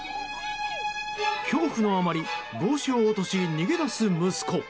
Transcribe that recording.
恐怖のあまり帽子を落とし逃げ出す息子。